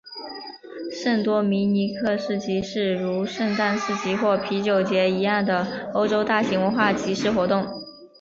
圣多明尼克市集是如圣诞市集或啤酒节一样的欧洲大型文化集市活动。